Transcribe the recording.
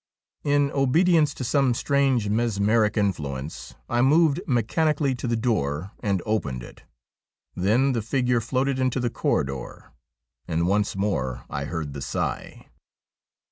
In obedience to some strange mesmeric influence I moved mechanically to the door and opened it. Then the figure floated into the corridor, and once more I heard the sigh.